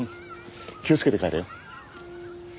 気をつけて帰れよ。